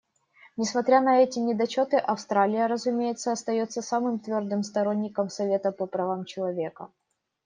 Несмотря на эти недочеты, Австралия, разумеется, остается самым твердым сторонником Совета по правам человека.